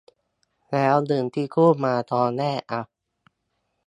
แล้วเงินที่กู้มาตอนแรกอะ ?